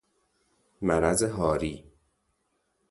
مرض هاری